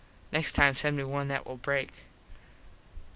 Next time send me one that will break.